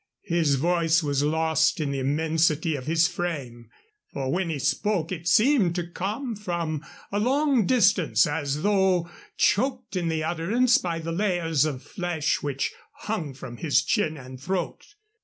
His voice was lost in the immensity of his frame, for when he spoke it seemed to come from a long distance, as though choked in the utterance by the layers of flesh which hung from his chin and throat.